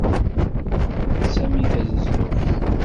Ibeddel Sami tanezduɣt.